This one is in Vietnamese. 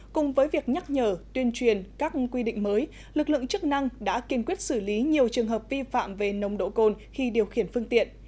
cùng với việc nhắc nhở tuyên truyền các quy định mới lực lượng chức năng đã kiên quyết xử lý nhiều trường hợp vi phạm về nồng độ cồn khi điều khiển phương tiện